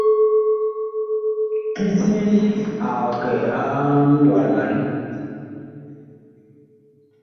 Kiti ag kɛ a ŋwalɓanɛ.